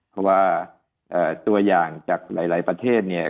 เพราะว่าตัวอย่างจากหลายประเทศเนี่ย